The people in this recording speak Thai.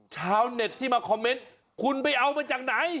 ชาวเน็ตที่มาคอมเมนต์คุณไปเอามาจากไหน